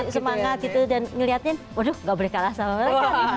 semangat gitu dan ngeliatin waduh gak boleh kalah sama mereka